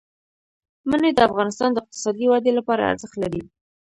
منی د افغانستان د اقتصادي ودې لپاره ارزښت لري.